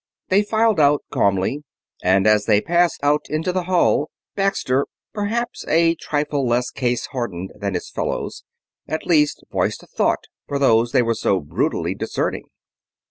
They filed out calmly, and as they passed out into the hall Baxter, perhaps a trifle less case hardened than his fellows, at least voiced a thought for those they were so brutally deserting.